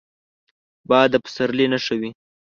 باد د پسرلي نښه وي